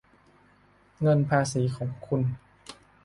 เงินภาษีของคุณ